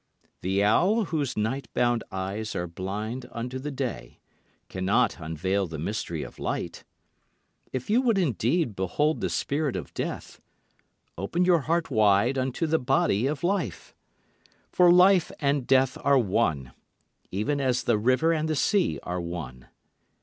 The owl whose night bound eyes are blind unto the day cannot unveil the mystery of light. If you would indeed behold the spirit of death, open your heart wide unto the body of life. For life and death are one, even as the river and the sea are one.